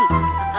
oh kalau gitu mak